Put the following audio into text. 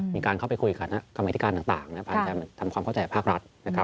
มีการเข้าไปคุยกันกับอเมริกาต่างทำความเข้าใจภาครัฐ